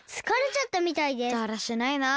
だらしないなあ。